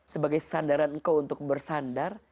sebagai sandaran engkau untuk bersandar